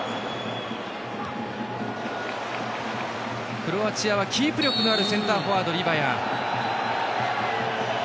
クロアチアはキープ力のあるセンターフォワード、リバヤ。